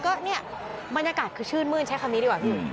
ก็เนี่ยบรรยากาศคือชื่นมื้นใช้คำนี้ดีกว่าพี่